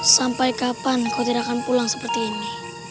sampai kapan kau tidak akan pulang seperti ini